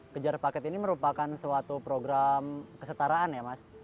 kejar paket ini merupakan suatu program yang sangat penting